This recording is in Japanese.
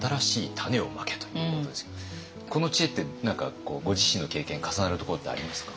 この知恵って何かご自身の経験重なるところってありますか？